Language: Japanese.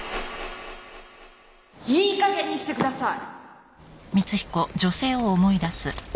いいかげんにしてください